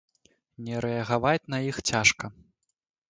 Не рэагаваць на іх цяжка.